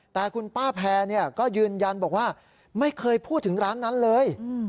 แต่คุณป้าแพรก็ยืนยันบอกว่าไม่เคยพูดถึงร้านนั้นเลย